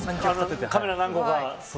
カメラ何個か。